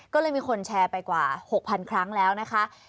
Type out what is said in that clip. ก็เลยมีคนแชร์ไปกว่า๖๐๐๐ครั้งแล้วนะคะ